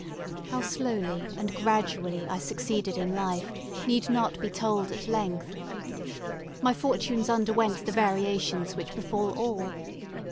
How slowly and gradually I succeeded in life, need not be told at length. My fortunes underwent the variations which befall all.